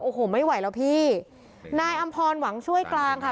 โอ้โหไม่ไหวแล้วพี่นายอำพรหวังช่วยกลางค่ะ